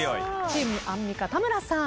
チームアンミカ田村さん。